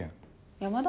山田？